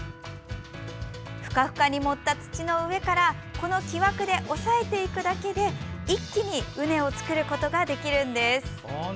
ふかふかに盛った土の上からこの木枠で押さえていくだけで一気に畝を作ることができるんです。